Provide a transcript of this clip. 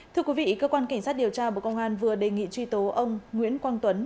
thưa quý vị cơ quan cảnh sát điều tra bộ công an vừa đề nghị truy tố ông nguyễn quang tuấn